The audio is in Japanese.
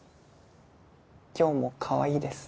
今日もかわいいです